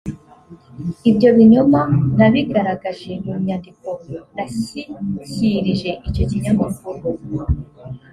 Ibyo binyoma nabigaragaje mu nyandiko nashyikirije icyo kinyamakuru